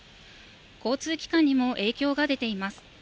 交通機関にも影響が出ています。